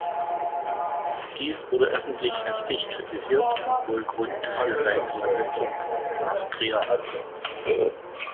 Dies wurde öffentlich heftig kritisiert und wohl Grund für seine Versetzung nach Trier.